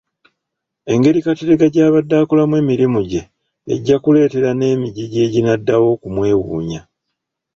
Engeri Kateregga gy’abadde akolamu emirimu gye ejja kuleetera n’emigigi eginaddawo okumwewuunya.